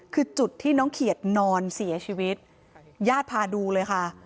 คือจุดที่น้องเขียดนอนเสียชีวิตญาติพาดูเลยค่ะ